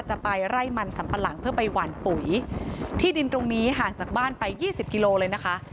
จะไปไล่มันสัมปะหลังเพื่อไปหวานปุ๋ยที่ดินตรงนี้ห่างจากบ้านไปยี่สิบกิโลเลยนะคะ